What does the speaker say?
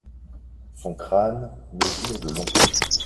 Son crâne mesure de long.